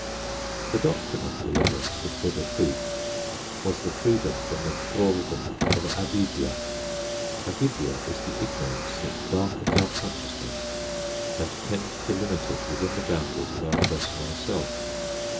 _ The doctrine of deliverance that Buddha preached was the freedom from the thraldom of Avidyā. Avidyā is the ignorance that darkens our consciousness, and tends to limit it within the boundaries of our personal self.